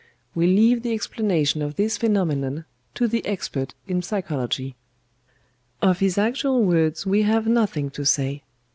We leave the explanation of this phenomenon to the expert in psychology. "Of his actual words we have nothing to say.